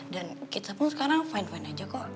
dan kita pun sekarang fine fine aja kok